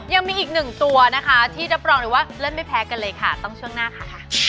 ยังมีอีกหนึ่งตัวนะคะที่รับรองเลยว่าเลิศไม่แพ้กันเลยค่ะต้องช่วงหน้าค่ะ